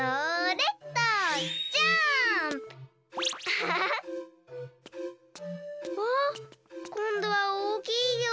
あっこんどはおおきいよ。